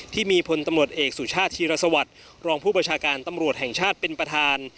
ที่มีพลตำรวจเอกสุชาติธีรสวัสดิ์รองผู้ประชาการตำรวจแห่งชาติเป็นประธาน